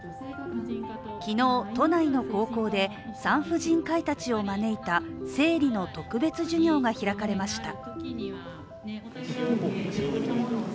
昨日、都内の高校で産婦人科医たちを招いた生理の特別授業が開かれました。